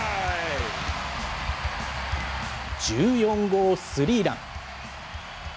１４号スリーラン。